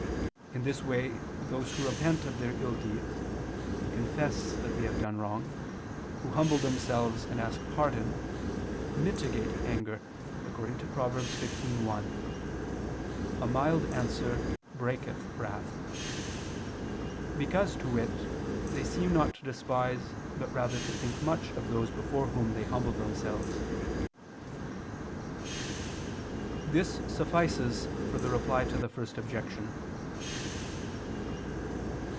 In this way those who repent of their ill deeds, and confess that they have done wrong, who humble themselves and ask pardon, mitigate anger, according to Prov. 15:1: "A mild answer breaketh wrath": because, to wit, they seem not to despise, but rather to think much of those before whom they humble themselves. This suffices for the Reply to the First Objection.